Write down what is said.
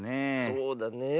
そうだねえ。